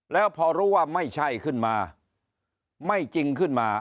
แล้วพอรู้ว่าไม่ใช่ขึ้นมาไม่จริงขึ้นมา